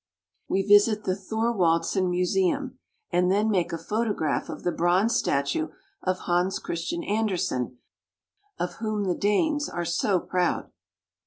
We visit the Thorwaldsen Museum, and then make a photograph of the bronze statue of Hans Christian Ander sen, of whom the Danes are so proud.